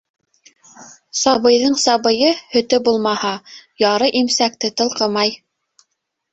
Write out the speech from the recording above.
Сабыйҙың сабыйы һөтө булмаһа, яры имсәкте тылҡымай.